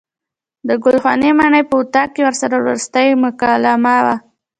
د ګل خانې ماڼۍ په اطاق کې ورسره وروستۍ مکالمه وه.